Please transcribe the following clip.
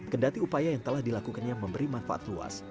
kendati upaya yang telah dilakukannya memberi manfaat luas